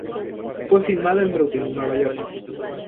Fue filmada en Brooklyn, Nueva York.